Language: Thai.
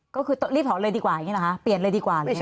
ก็คือรีบถอนเลยดีกว่าเปลี่ยนเลยดีกว่า